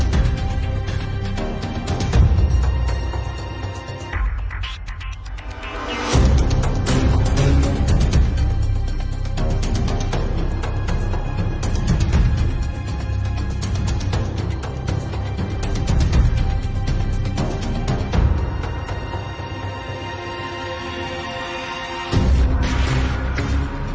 ก็เลยยังไม่ได้รู้สึกว่ามันยังไม่ได้ตกใจ